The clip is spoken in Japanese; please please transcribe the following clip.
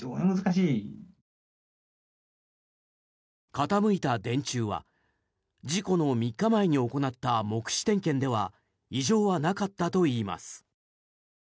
傾いた電柱は事故の３日前に行った目視点検では異常はなかったといいます。